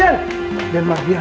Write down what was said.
jangan lupa untuk berlangganan